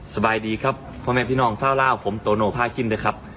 สบายดีครับพ่อแม่พี่น้องซ่าวเล่าผมโตโน่พ่าชิ้นนะครับ